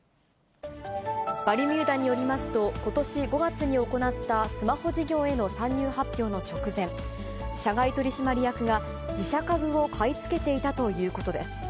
バルミューダによりますと、ことし５月に行ったスマホ事業への参入発表の直前、社外取締役が自社株を買い付けていたということです。